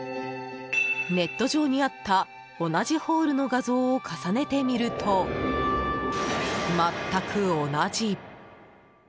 ネット上にあった同じホールの画像を重ねてみると全く同じ。